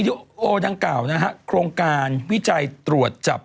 แต่วันนี้รถติด